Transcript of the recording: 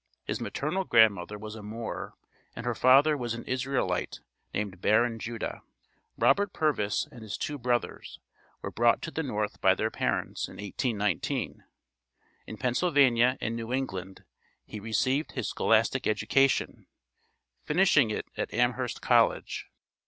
His maternal grandmother was a Moor; and her father was an Israelite, named Baron Judah. Robert Purvis and his two brothers were brought to the North by their parents in 1819. In Pennsylvania and New England he received his scholastic education, finishing it at Amherst College.